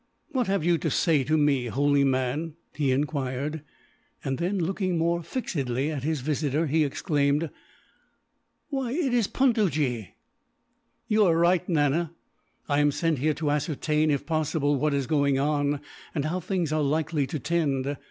"What have you to say to me, holy man?" he enquired; and then, looking more fixedly at his visitor, he exclaimed: "Why, it is Puntojee!" "You are right, Nana. I am sent here to ascertain, if possible, what is going on, and how things are likely to tend.